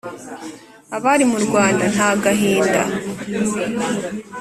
Abari mu Rwanda nta gahinda